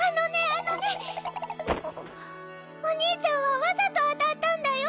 あのねお兄ちゃんはわざと当たったんだよ